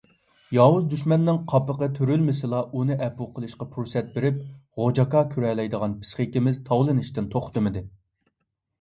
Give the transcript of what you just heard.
ياۋۇز دۈشمەننىڭ قاپىقى تۈرۈلمىسىلا ئۇنى ئەپۇ قىلىشقا پۇرسەت بېرىپ «غوجاكا» كۆرەلەيدىغان پىسخىكىمىز تاۋلىنىشتىن توختىمىدى.